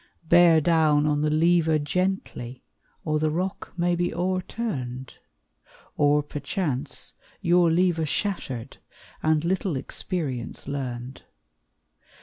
Bear down on the lever gently, Or the rock may be o'erturned! Or, perchance, your lever shattered, And little experience learned!